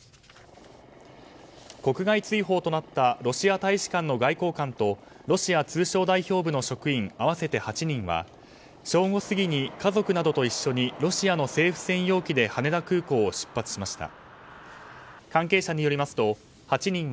国外追放となったロシア大使館の外交官とロシア通商代表部の職員合わせて８人は正午過ぎに家族などと一緒にロシアの政府専用機で羽田空港を出発しました。